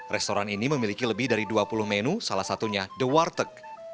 restoran ini memiliki lebih dari dua puluh menu salah satunya the warteg